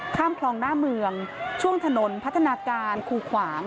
ข้ามคลองหน้าเมืองช่วงถนนพัฒนาการคูขวาง